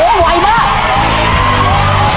โหไวมาก